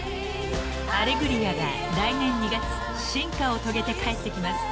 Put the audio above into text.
［『アレグリア』が来年２月進化を遂げて帰ってきます］